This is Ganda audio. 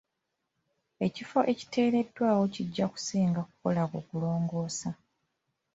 Ekifo ekiteereddwawo kijja kusinga kukola kukulongoosa.